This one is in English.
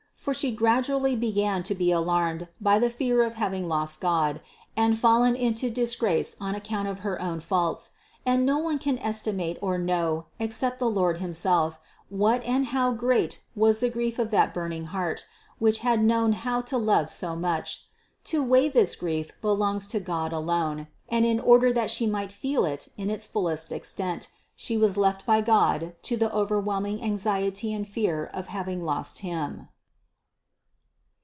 For She gradually began to be alarmed by the fear of having lost God and fallen into disgrace on account of her own faults; and no one can estimate or know, except the Lord himself, what and how THE CONCEPTION 529 great was the grief of that burning heart, which had known how to love so much. To weigh this grief be longs to God alone, and in order that She might feel it in its fullest extent, She was left by God to the over whelming anxiety and fear of having lost Him.